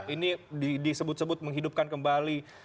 ini disebut sebut menghidupkan kembali